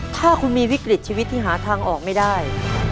ถ้าคุณมีวิกฤตชีวิตที่หาทางออกไม่ได้